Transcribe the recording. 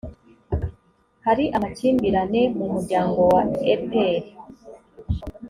hari amakimbirane mu muryango wa epr